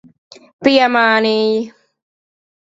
Piemānīji.